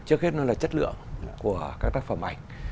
trước hết nó là chất lượng của các tác phẩm ảnh